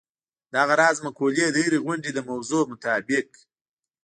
دغه راز مقولې د هرې غونډې د موضوع مطابق.